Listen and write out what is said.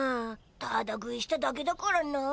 タダ食いしただけだからな。